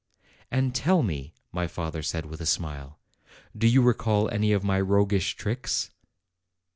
"And tell me," my father said, with a smile, "do you recall any of my roguish tricks?'